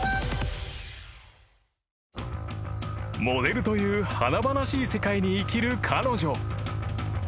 ［モデルという華々しい世界に生きる彼女］